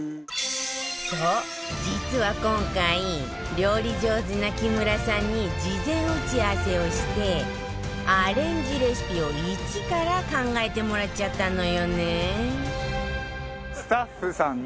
そう実は今回料理上手な木村さんに事前打ち合わせをしてアレンジレシピを一から考えてもらっちゃったのよね